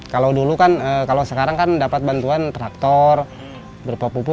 kalau dulu kan kalau sekarang kan dapat bantuan traktor berupa pupuk